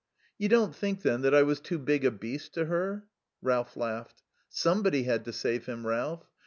"You don't think, then, I was too big a beast to her?" Ralph laughed. "Somebody had to save him, Ralph.